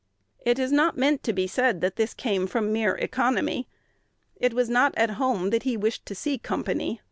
It is not meant to be said that this came from mere economy. It was not at home that he wished to see company.